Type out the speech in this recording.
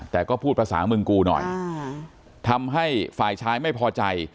แต่ก็พูดภาษามึงกูหน่อยทำให้ฝ่ายชายไม่พอใจ